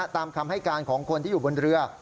ตามคำให้การของคนที่อยู่บนเรือ